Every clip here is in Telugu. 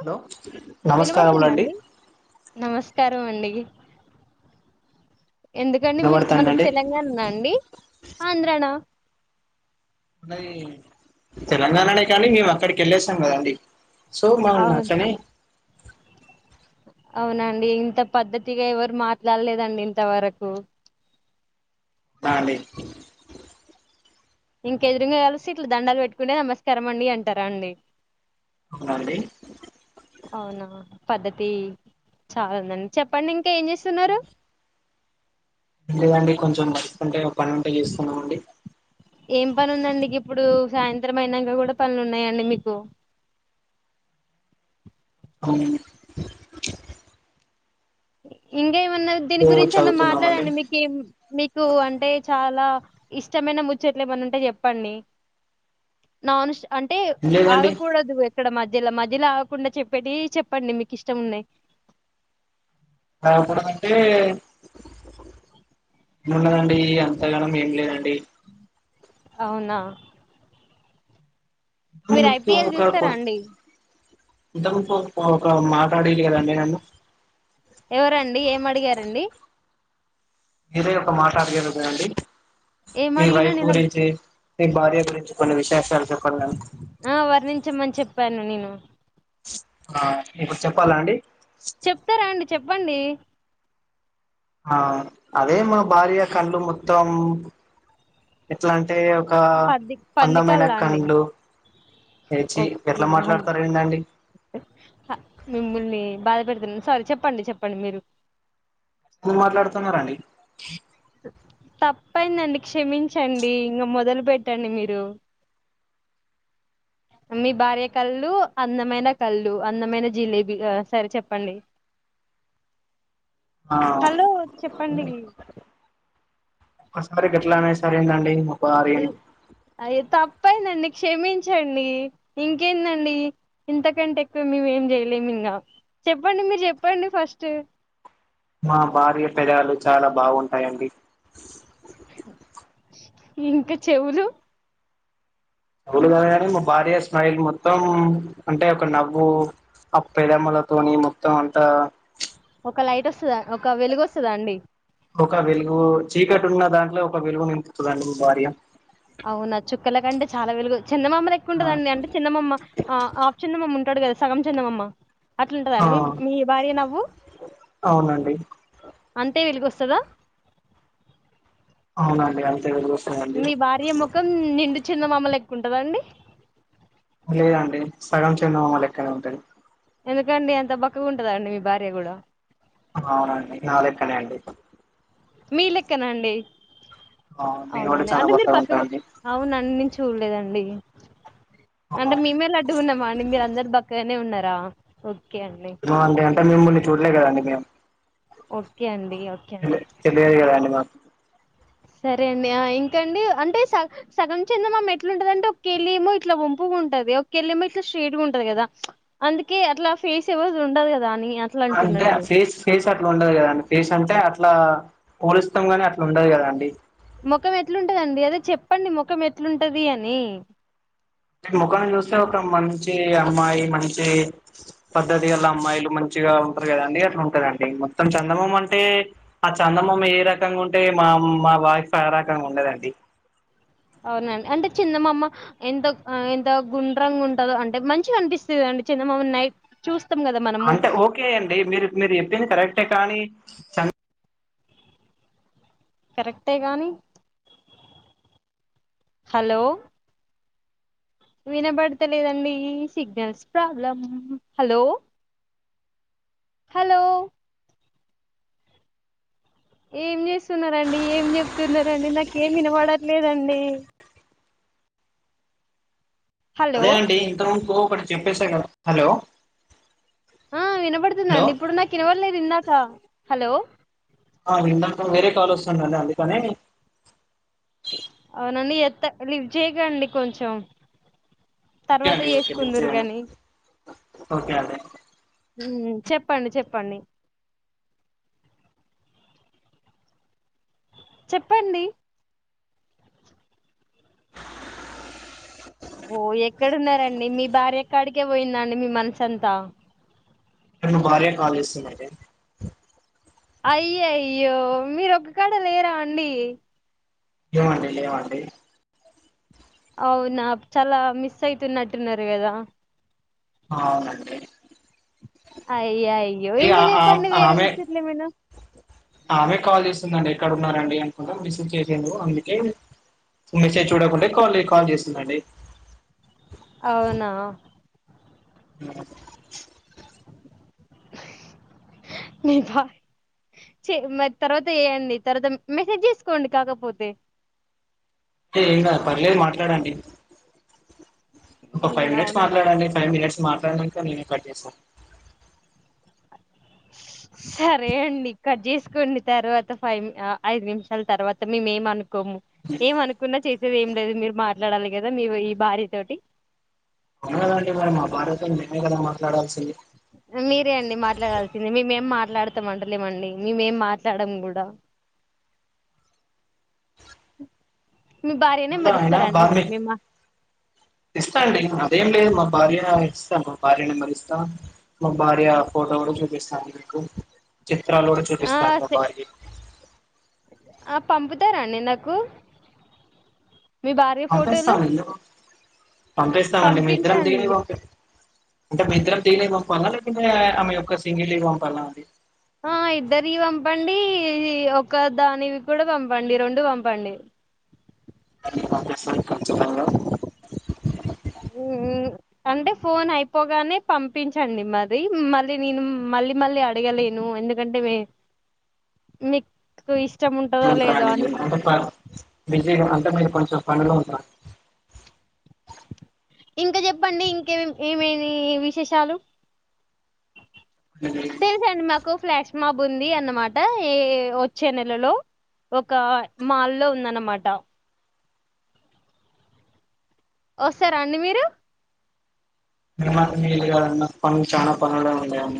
హలో నమస్కారములండి వినబడుతుందండి నమస్కారం అండి ఎందుకండి మన వినబడుతాందండి తెలంగాణనా అండి ఆంధ్రానా ఉన్నది తెలంగాణనే కానీ మేము అక్కడికి వెళ్లొస్తాం కదండి. సో అవును మగునచ్చనే అవునండి ఇంత పద్దతిగా ఎవరు మాట్లాడలేదండి ఇంతవరకు అ అండి ఇంకెదురుంగా కలిసి ఇట్లా దండాలు పెట్టుకుంటే నమస్కారం అండి అంటారా అండి అవునండి అవునా పద్ధతి చాలా ఉందండి చెప్పండి ఇంకా ఏం చేస్తున్నారు లేదండి కొంచెం వర్కుంటే ఏం పని ఉందండి గిప్పుడు సాయంత్రమైనంగా కూడా పనులున్నాయండి మీకు అవ్ ఇంకా ఏం న్నా దీని గురించి అన్న చదువుతున్నామండి మాట్లాడండి మీకి మీకు అంటే చాలా ఇష్టమైన ముచ్చట్లు ఏమన్నా ఉంటే చెప్పండి నానుష్ అంటే ఏం లేదండి ఆగకూడదు ఎక్కడ మధ్యలో మధ్ ఇది గకుండా చెప్పేటి చెప్పండి మీకు ఇష్టం ఉన్నాయి రాకూడదంటే ఏముండదండి [unintelligible] లేదండి అవునా మీరు ఐపీఎల్ కాద్ప చూస్తారా అండి [inaudible] ఇవాళ మాట్లాడీకి ఏదన్నా లేదండి ఎవరండి ఏం అడిగారండి మీరే ఒక మాట అడిగేది ఉన్నదండి ఏం నీ అడిగినా వైఫ్ నేను గురించి నీ భార్య గురించి కొన్ని విశేషాల్ ఆ వర్ణించమని చె ప్పను నేను ఆ ఇప్పుడు చెప్పాలా అండి చెప్తారా అండి చెప్పండి ఆ అదే మా భార్య కళ్ళు మొత్తం ఎట్లాంటే ప పందికల్లా అండి లేచి ఓకే ఎట్లా ఆ మాట్లాడతారు ఏందండి మిమ్మల్ని బాధ పెడుతున్ సరే చెప్పండి చెప్పండి మీరు ఎం మాట్లాడుతున్నారండి తప్పైందండి క్షమించండి ఇంకా మొదలు పెట్టండి మీరు మీ భార్య కళ్ళు అందమైన కళ్ళు అందమైన జిలేబీ సరే చెప్పండి ఆ హలో చెప్పండి ఒక్కసారి గట్లనే సరైందండి అయితే తప్పయిందండి క్షమించండి ఇంకేందండి ఇంతకంటే ఎక్కువ మేము ఏం చేయలేము ఇంగ చెప్పండి మీరు చెప్పండి ఫస్ట్ మా భార్య పెదాలు చాలా బాగుంటాయండి ఇంక చెవులు [inaudible] కాని మా భార్య స్మైల్ మొత్తం అంటే ఒక నవ్వు ఆ పెదమ్మలతోని మొత్తం అంత ప్చ్ ఒక లైటొస్తద ఒక వెలుగొస్తదా అండి ఒక వెలుగు చీకటి ఉన్న దాంట్లో ఒక వెలుగు నింపుతదండి నా భార్య అవునా చుక్కల కంటే చాలా వెలుగ చందమామా ఆ లెక్కుంటద్దా అండి అంటే చందమామా ఆ చందమామా ఉంటడు సగం చందమామ అట్లుంటదా ఆ అన్న మీ భార్య నవ్వు అవునండి అంతే వెలుగు వస్త కద [inaudible] తెలుస్తుందండి మీ భార్య ముఖం నిండు చెందమామ లెక్ ఉంటదండి లేదండి సగం చెందమామ లెక్కనే ఉంటది ఎందుకండి అంత బక్కగ ఉంటదాండి మీ భార్య కూడ అవునండి నాలెక్కనే అండి మీ లెక్కనాండి ఆ, నేను కూడా అవునండి చాలా అంటే మీరు బక్కగా బక్కగ ఉంటా అండి అవునండి నేన్ చూడ్లేదండి అంటే మేమే లడ్డుగున్నామ అండి మీరు అందరు బక్కగానే ఉన్నారు దా ఓకే అండి మిమ్ముల్ని చూడలే కదండి మేము ఓకే అండి ఓకే అండి. తెలియదు కదండి మాక్ సరే అండి ఆ ఇంకండి అంటే స సగం చెందమామ ఎట్లుంటది అంటే ఒకెళ్ళి ఏమో ఇట్లా వంపుగా ఉంటది ఒకెళ్ళి ఏమో ఇట్లా స్ట్రయిట్ గా ఉంటది కదా అందుకే అట్లా ఫేస్ ఎవర్థి ఉండది కదా అని అట్లా అంటున్నా అంటే నేను. ఫేస్ ఫేస్ అట్లా ఉండదు కదండి ఫేస్ అంటే అట్లా పోలుస్తాం గాని అట్లా ఉండదు కదండి ముఖం ఎట్లుం ంటదండి అదే చెప్పండి ముఖం ఎట్లుంటది అని ముఖాన్ని చూస్తే ఒక మంచి అమ్మాయి మంచి పద్ధతి గల్ల అమ్మాయిలు మంచిగా ఉంటారు కదండి అట్లా ఉంటదండి మొత్తం చందమామ అంటే ఆ చందమామ ఏ రకంగా ఉంటే మా మా వాైఫ్ ఆ రకంగా ఉండదండి అవునండి అంటే చందమామ ఎంత ఎంత గుండ్రంగా ఉంటదో అంటే మంచిగా అనిపిస్తది కదండీ చందమామని నైట్ చూస్ అంటే ఓకే అండి మీరు మీరు చెప్పింది కరెక్టే కానీ చం కరెక్టే ఏ కాని హలో వినబడతలేదండి సిగ్నల్స్ ప్రాబ్లం హలో హలో ఏం చేస్తున్నరండి ఏం చెప్తున్నరండి నాక్ ఏం వినబడట్లేదండి హలో అదే అండి ఇంత మునువు ప్పుడు చెప్పేసా కదా హలో ఆ హలో వినబడుతుందండి ఇప్పుడు నాకు వినపడలేదు ఇందాక హలో ఆ వినపడుతుంది వేరే కాల్ వస్తుందని అందుకని అవునండి ఎత్త లిఫ్ చేయకండి కొంచెం ఓకే తర్వాత అండి ఓకే లిఫ్ట్ చేసుకుందురు చేయను గాని ఓకే అండి చెప్పండి చెప్పండి చెప్పండి ఓ ఎక్కడున్నారండి మీ భార్యకడికే పోయిందండి మీ మనసుంతా మా భార్యే కాల్ చేస్తుందండి అయ్యయ్యో మీరు ఒక్కకాడ లేరా అండి లేమండి లేమండి అవునా చాలా మిస్ అయితున్నట్టున్నారు కదా ఆ అవునండి అయ్య య్యో ఇగ ఇంకా ఆ ఆ- చెప్పండి వేరే ఆమె ముచ్చట్లేమైనా ఆమె కాల్ చేస్తుందండి ఎక్కడ ఉన్నారండి అనుకుంట మెస్సేజ్ చేసిండు అందుకే మెసేజ్ చూడకుంటే కాల్ కాల్ చేసిందండి అవునా అ మ తర్వాత చెయండి తర్వాత మెసేజ్ చేసుకోండి కాకపోతే ఏ ఏం కాదు పర్లేదు మాట్లాడండి ఒక హ్మ్. ఫైవ్ మినిట్స్ అవునా మాట్లాడండి ఫైవ్ మినిట్స్ మాట్లాడినంక నేనే కట్ చేస్తా సరే అండి కట్ చేసుకోండి తర్వాత ఫైవ్ ఐదు నిమిషాల తర్వాత మేమేం అను ఏమ అనుకున్నా చేసేది ఏం లేదు మీరు మా మాట్లాడాలి కదా మీ ఈ భార్య తోటి అవునదండి మరి మా భార్యతో మేమే కదా మాట్లాడాల్సింది మీరే అండి మాట్లాడాల్సింది మేమేం మాట్ మాట్లాడుతాం అంటలేమండి మేమేం మాట్లాడం కూడా [inaudible] భార్యనే మళ్ళ మరి అయనా ఇస్తారండి మాకు బార్మి మేము ఇస్తా అండి అదేం లేదు మ భార్య ఇస్తా మా భార్య నెంబరి ఇస్తా మా భార్య ఫోటో కూడా చూపిస్తాను మీకు చిత్రాలు కూడా ఆ చూపిస్తా మా సే బార్యవి ఆ పంపుతారాండి నాకు మీ భార్య ఫోటోలు పంపిస్తాను ఎందుకు పంపిస్తామండి మేం ఇద్దరం దిగని పంపించండి ఓకే అంటే మేం ఇద్దరం దిగినవి పంపాలన లేక ఆమె యొక్క సింగిల్వి పంపాలన అది ఆ ఇద్దరివి పంపండి ఒక దానివి కూడా పంపండి రెండు పంపండి ఆ పంపిస్తాను ఖచ్చితంగా మ్మ్. అంటే ఫోన్ అయిపోగానే పంపించండి మరి మళ్ళీ నేను మళ్ళీ మళ్ళీ అడగలేను ఎందుకంటే మీకు ఇష్ట ంట [unintelligible] బిసీ గా మ కొంచెం పండ్లు తోముత అండి ఇంకా చెప్పండి ఇంకే ఏమేమి విశేషాలు మీ- మీ- తెలుసా అండి మా నాకు ఫ్లాష్ మాబ్ ఉంది అన్నమాట ఏ వచ్చే నెలలో ఒక మాల్లో ఉందన్నమాట వస్తారా అండి మీరు మ కాన్నా పనీ చానా పనిడం అన్న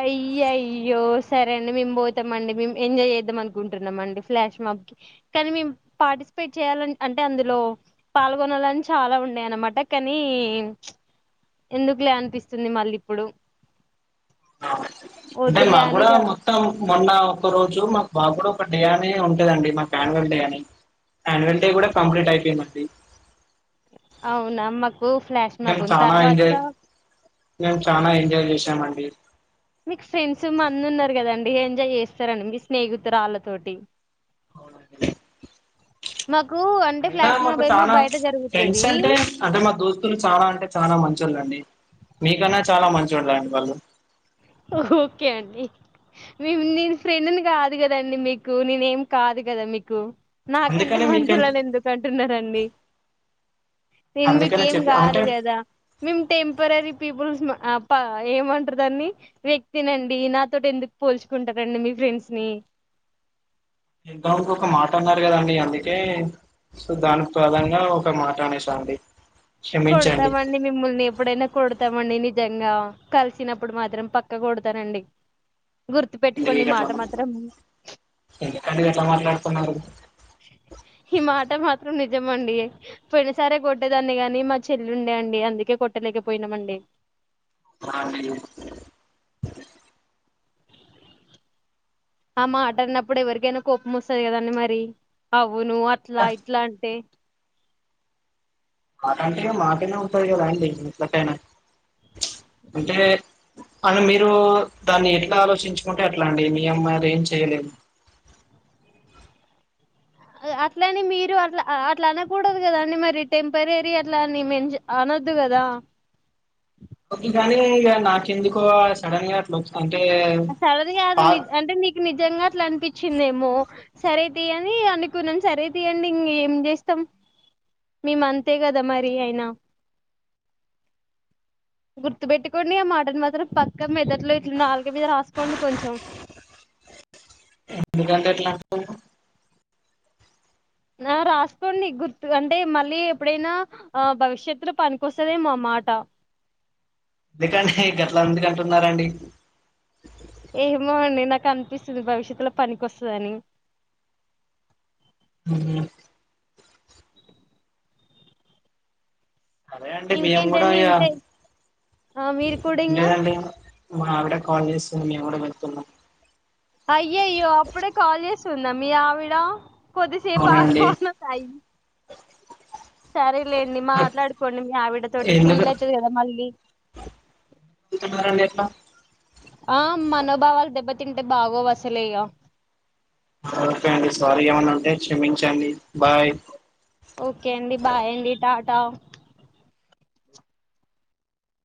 అయ్యయ్యో సరే అండి మేము పోతామండి మేము ఎంజాయ్ చేద్దాం అనుకుంటున్నామ అండి ఫ్లాష్ మాప్కి కానీ మేము పార్టిసిపేట్ చేయాలని అంటే అందులో పాల్గొనాలని చాలా ఉండయ అన్నమాట కానీ ఎందుకులే అనిపిస్తుంది మళ్ళీ ఇప్పుడు అంటే మా వద్దులే అని గూడా ఇగ మొత్తం మొన్న ఒక్క రోజు మాకు బాబ కూడా ఒక డియానీ ఉంటుంది ండి మాకు అనువల్ డే అని యాన్యువల్ డే కూడా కంప్లీట్ అయిపోయినది అవునా మ పో ఫ్లష్ మాబన్ చాలా తరువాత ఎంజాయ్ మేము చానా ఎంజాయ్ చేసామ అండి మీకు ఫ్రెండ్స్ మందు ఉన్నారు కదండి ఎంజాయ్ చేస్తారండి మీ స్నేహితురాళ్ళతోటి మ అయినా మాకు చాల ఫ్రెండ్స్ జరుగుతది అంటే అంటే మా దోస్తులు చాలా అంటే చాలా మంచి వాళ్ళండి మీకన్నా చాలా మంచోల్లండి వాళ్ళు ఓకే అండి మేము నేను ఫ్రెండ్ని కాదు కదా అండి మీకు నేనే ఏం కాదు కదా మీకు నాకంటే అందుకనే మీక మంచోళ్ళని ఎందుకు అంటున్నారండి. నేను అందుకనే మీకేం చెప్పి కాదు అంటే కదా మేం టెంపరరీ పీపుల్స్ ప ఏమంటారు దాన్ని వ్యక్తి నండి నాతోటి ఎందుకు పోల్చుకుంటారండి మీ ఫ్రెండ్స్ ని ఇంత ముందు ఒక మాట అన్నారు కదండి. అందుకే సో దాని ప్రధంగా ఒక మాట అనేసా అండి. క్షమించండి కొడతామండి మిమ్మల్ని ఎప్పుడైనా కొడతాం. మండి నిజంగా కలిసినప్పుడు మాత్రం పక్క కొడతానండి. గుర్తు పెట్టుకోండి మీరు ఈ అట్ల మాట మాత్రం ఎందుకు అండి గట్ల మాట్లాడుతన్నారు. హిమాచ్ మాత్రం నిజమండి. పోయినసారే కొట్టేదాన్ని గాని మా చెల్లి ఉండే అండి. అందుకే కొట్టలేకపోయినామండి. ఆల్రెడీ ఆ మాట అన్నప్పుడు ఎవరికైనా కోపం వస్తది కదండి మరి అవ్ అవును అట్లా ఇట్లా అంటే అంటేగా మాటైనా ఉంటంది గద అండి ఎట్టయినా అంటే అ మీరు దాన్ని ఎట్లా ఆలోచించుకుంటే, అట్లా అండి మీ అమ్మాయిలు ఏం చెయలేదు. అట్ల అని మీరు అట్లా అట్లా అనకూడదు కదా అండి. మరి టెంపరరీ అట్లా అని మేం అనొద్దు కదా. ఓకే గాని ఇక నాకెందుకో సడన్ గా అన్పిస్తాంది. సరది కాదు నిజ అంటే నీకు నిజంగా అట్లా అనిపించింది మో సరే తీయని అనుకున్నాను సరే తీయండి. ఇంకేం ఏం చేస్తాం మేము అంతే కదా. మరి అయినా గుర్తు పెట్టుకోండి. ఆ మాటలు మాత్రం పక్క మెదట్లో ఇట్లా నాలుక మీద రాసుకోండి కొంచెం. ఎందుకండి అట్ల అంటున్నవ్ రాసుకోండి గుర్తు అంటే మళ్ళీ ఎప్పుడైనా భవిష్యత్తులో పనికివస్తదేమో ఆ మాట ఎందుకండి గట్లా ఎందుకు అంటున్నారండి. ఏమో అండి నాకు అనిపిస్తది భవిష్యత్లో పనికివస్తదని ఉహు సరే అండి మేము కూడా ఇంకేంటండి ఇగ ఇంకా ఆ మీరు కూడా ఇంగా లేదండి మావిడ కాల్ చేయు డం వెలుతున్నా అయ్య అయ్యో అప్పుడే కాలేజ్ సున్నామి ఆవిడా కొద్దిసేపు అవునండి ఆగవాన్నస్తాయి సరేలేండి మాట్లాడుకోండి. మీ ఆవిడ తోటి ఎందుకు ఫీల్ అయితది కదా మళ్ళీ. మరి అండి ఎట్ల ఆ మనోభావాలు దెబ్బతింటే బాగోవు అసలేఇగ ఒక్ అండి సారీ ఏమన్నా అంటే క్షమించండి బాయ్ ఓకే అండి బాయ్ అండి టాటా